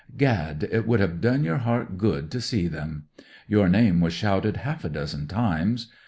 Gad ! it would have done your heart good to see them. Your name was shouted half a dozen times.